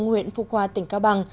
nguyễn phúc hòa tỉnh cao bằng